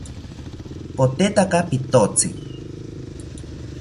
Potetaka pitotzi